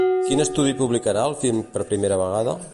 Quin estudi publicarà el film per primera vegada?